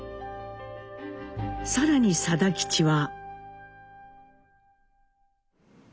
更に定吉は。